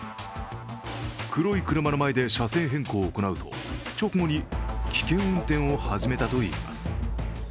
黒い車の前で車線変更を行うと直後に危険運転を始めたといいます。